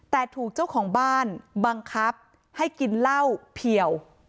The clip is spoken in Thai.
แต่ถูกเจ้าของบ้านบังคับให้กินเหล้าเพี่ยว